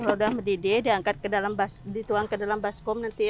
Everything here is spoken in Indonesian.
kalau udah mendidih diangkat ke dalam bas dituang ke dalam baskom nanti